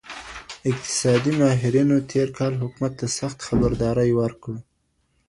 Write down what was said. اقتصادي ماهرينو تېر کال حکومت ته سخت خبرداری ورکړ.